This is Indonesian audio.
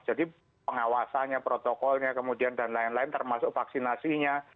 jadi pengawasannya protokolnya kemudian dan lain lain termasuk vaksinasinya